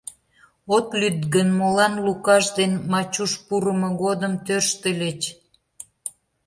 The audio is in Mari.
От лӱд гын, молан Лукаш ден Мачуш пурымо годым тӧрштыльыч?